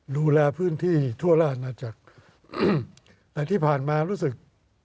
ดูแลพื้นที่ทั่วร่านอาจจะแต่ที่ผ่านมารู้สึก